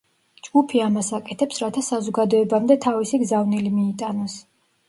ჯგუფი ამას აკეთებს, რათა საზოგადოებამდე თავისი გზავნილი მიიტანოს.